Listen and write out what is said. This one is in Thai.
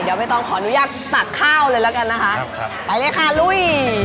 เดี๋ยวใบตองขออนุญาตตักข้าวเลยแล้วกันนะคะไปเลยค่ะลุย